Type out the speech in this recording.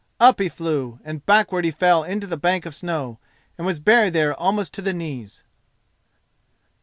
Up he flew, and backward he fell into the bank of snow, and was buried there almost to the knees.